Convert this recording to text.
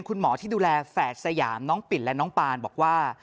คุณหมอที่ดูแลแฝดสยามน้องปิดและน้องปานบอกว่า